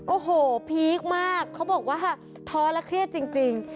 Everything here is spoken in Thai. โอ้โหพีคมากเขาบอกว่าท้อและเครียดจริง